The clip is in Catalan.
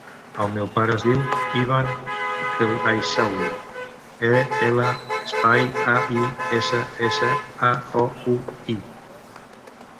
El meu pare es diu Evan El Aissaoui: e, ela, espai, a, i, essa, essa, a, o, u, i.